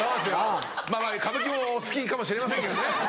まぁまぁ歌舞伎もお好きかもしれませんけどね。